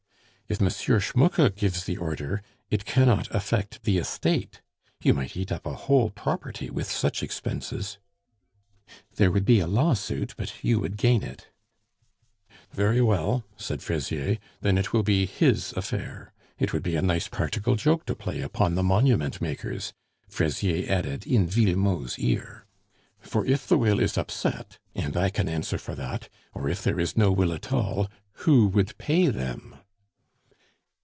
"If M. Schmucke gives the order, it cannot affect the estate. You might eat up a whole property with such expenses." "There would be a lawsuit, but you would gain it " "Very well," said Fraisier, "then it will be his affair. It would be a nice practical joke to play upon the monument makers," Fraisier added in Villemot's ear; "for if the will is upset (and I can answer for that), or if there is no will at all, who would pay them?"